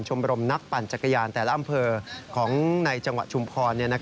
รมนักปั่นจักรยานแต่ละอำเภอของในจังหวัดชุมพร